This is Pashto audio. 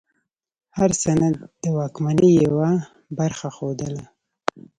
هر سند د واکمنۍ یوه برخه ښودله.